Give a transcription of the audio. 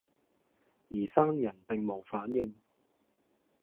而生人並無反應，